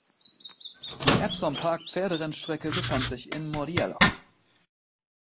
Die Epsom Park Pferderennstrecke befand sich in Mordialloc.